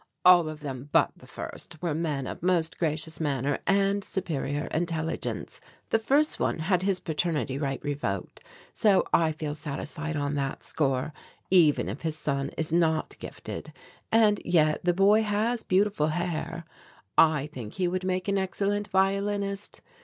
All of them but the first were men of most gracious manner and superior intelligence. The first one had his paternity right revoked, so I feel satisfied on that score, even if his son is not gifted and yet the boy has beautiful hair I think he would make an excellent violinist.